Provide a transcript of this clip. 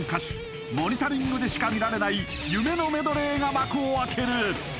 モニタリングでしか見られない夢のメドレーが幕を開ける！